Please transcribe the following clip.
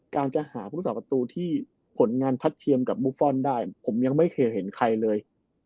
การจะหาผู้รักษาประตูที่ผลงานทัดเทียมกับบุฟฟอลได้ผมยังไม่เคยเห็นใครเลย